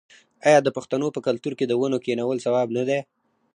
آیا د پښتنو په کلتور کې د ونو کینول ثواب نه دی؟